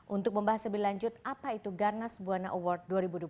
untuk membahas lebih lanjut apa itu garnas buana award dua ribu dua puluh